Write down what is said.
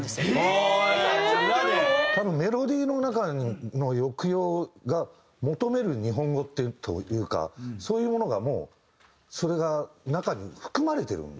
多分メロディーの中の抑揚が求める日本語というかそういうものがもうそれが中に含まれてるんですよね。